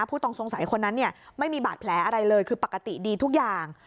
ผู้ต้องสงสัยคนนั้นเนี่ยไม่มีบาดแผลอะไรเลยคือปกติดีทุกอย่าง